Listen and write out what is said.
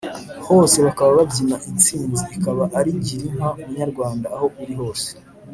hose bakaba babyina intsinzi ikaba ari girinka munyarwanda aho uri hose.